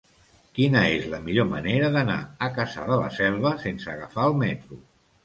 Quina és la millor manera d'anar a Cassà de la Selva sense agafar el metro?